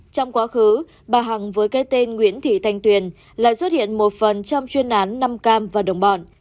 trong quá khứ bà hằng với cái tên nguyễn thị thanh tuyền lại xuất hiện một phần trong chuyên án năm cam và đồng bọn